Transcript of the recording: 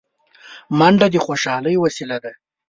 منډه د خوشحالۍ وسیله ده